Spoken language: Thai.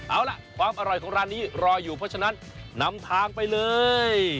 เอาล่ะความอร่อยของร้านนี้รออยู่เพราะฉะนั้นนำทางไปเลย